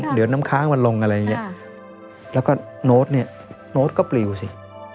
เดี๋ยวน้ำค้างมันลงอะไรอย่างเงี้ยแล้วก็โน้ตเนี่ยโน้ตก็ปลิวสิ